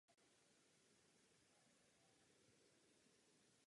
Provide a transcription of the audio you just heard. K chrámu vedlo impozantní schodiště.